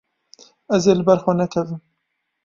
Ez ê li ber xwe nekevim.